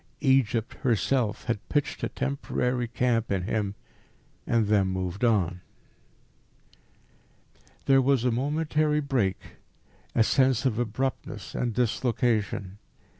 Egypt herself had pitched a temporary camp in him, and then moved on. There was a momentary break, a sense of abruptness and dislocation.